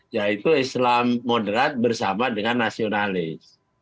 yaitu islamudera bersama dengan nasionalis